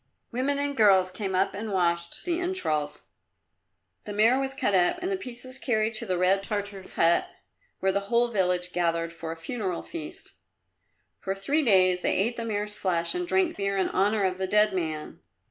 Women and girls came up and washed the entrails. The mare was cut up and the pieces carried to the red Tartar's hut, where the whole village gathered for a funeral feast. For three days they ate the mare's flesh and drank beer in honour of the dead man.